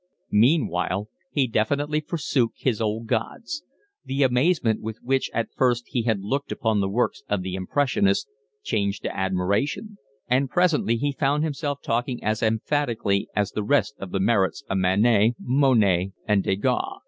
Meanwhile he definitely forsook his old gods. The amazement with which at first he had looked upon the works of the impressionists, changed to admiration; and presently he found himself talking as emphatically as the rest on the merits of Manet, Monet, and Degas.